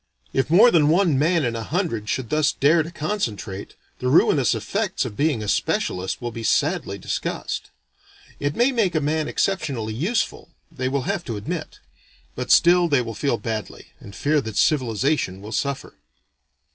If more than one man in a hundred should thus dare to concentrate, the ruinous effects of being a specialist will be sadly discussed. It may make a man exceptionally useful, they will have to admit; but still they will feel badly, and fear that civilization will suffer.